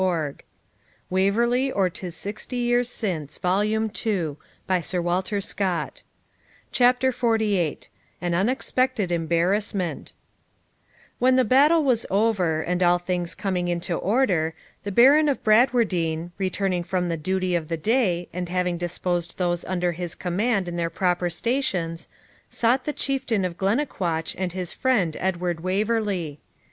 Such was the elegy of the Laird of Balmawhapple. [Footnote: See Note 9.] CHAPTER XLVIII AN UNEXPECTED EMBARRASSMENT When the battle was over, and all things coming into order, the Baron of Bradwardine, returning from the duty of the day, and having disposed those under his command in their proper stations, sought the Chieftain of Glennaquoich and his friend Edward Waverley.